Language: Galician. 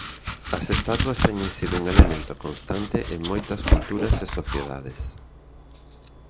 As estatuas teñen sido un elemento constante en moitas culturas e sociedades.